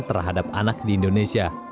terhadap anak di indonesia